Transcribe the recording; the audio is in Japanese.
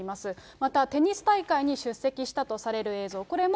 またテニス大会に出席したとされる映像、これも